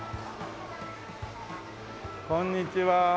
こんにちは。